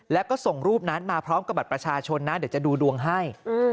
แล้วก็ส่งรูปนั้นมาพร้อมกับบัตรประชาชนนะเดี๋ยวจะดูดวงให้